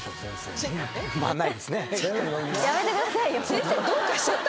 先生どうかしちゃった？